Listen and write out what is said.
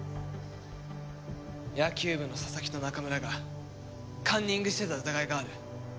野球部の佐々木と中村がカンニングしてた疑いがある。